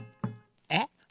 えっ？